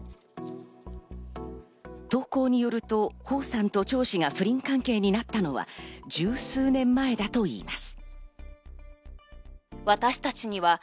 投稿によるとホウさんとチョウ氏が不倫関係になったのは、十数年前だといいます。